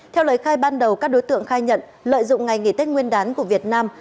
theo lời khai ban đầu các đối tượng khai nhận lợi dụng ngày nghỉ tết nguyên đán của việt nam